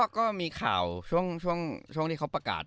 ก็มีข่าวช่วงที่เขาประกาศ